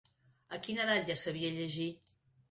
A quina edat ja sabia llegir?